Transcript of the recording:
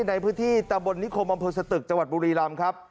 ในพื้นที่ตะบนนิคมอำเภอสตึกจังหวัดบุรีรำครับ